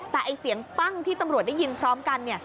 แต่ไอ้เสียงปั้งที่ตำรวจได้ยินพร้อมกัน